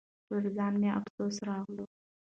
پر ځان مې افسوس راغلو .